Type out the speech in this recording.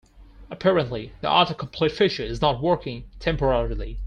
Apparently, the autocomplete feature is not working temporarily.